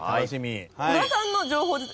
宇賀さんの情報です。